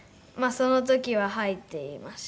その時は「はい」って言いました。